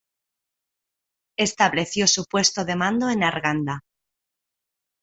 Estableció su puesto de mando en Arganda.